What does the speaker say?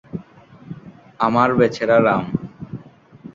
আমার বেচারা রাম!